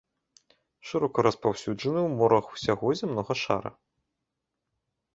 Шырока распаўсюджаны ў морах усяго зямнога шара.